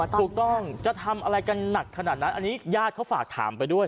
ถูกต้องจะทำอะไรกันหนักขนาดนั้นอันนี้ญาติเขาฝากถามไปด้วย